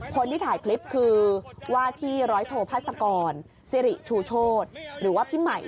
คนที่ถ่ายคลิปคือว่าที่ร้อยโทพัศกรสิริชูโชธหรือว่าพี่ใหม่